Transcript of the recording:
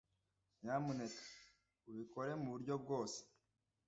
Nyamuneka ubikore muburyo bwose.